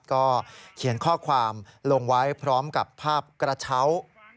ก็เขียนข้อความลงไว้พร้อมกับภาพกระเช้า